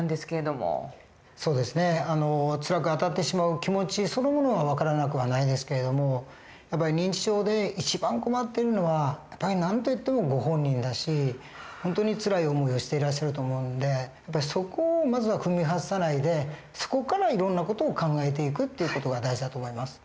そうですねつらくあたってしまう気持ちそのものは分からなくはないですけど認知症で一番困っているのは何と言ってもご本人だし本当につらい思いをしていらっしゃると思うんでそこをまずは踏み外さないでそこからいろんな事を考えていくっていう事が大事だと思います。